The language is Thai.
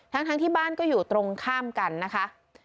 ทั้งที่บ้านก็อยู่ตรงข้ามกันนะคะ